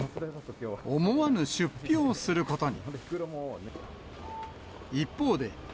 思わぬ出費をすることに。